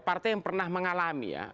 partai yang pernah mengalami ya